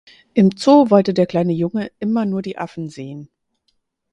Im Zoo wollte der kleine Junge immer nur die Affen sehen.